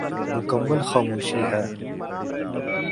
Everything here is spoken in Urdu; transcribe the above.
مکمل خاموشی ہے۔